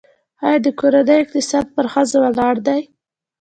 آیا د کورنۍ اقتصاد پر ښځو ولاړ دی؟